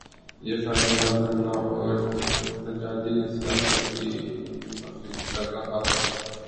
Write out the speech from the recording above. یہ فیصلہ دھرنا اور احتجاجی سیاست کی نفی کر رہا ہے۔